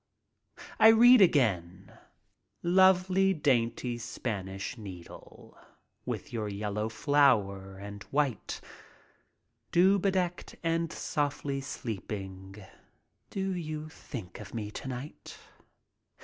I read again: Lovely, dainty Spanish Needle, With your yellow flower and white; Dew bedecked and softly sleeping; Do you think of me to night?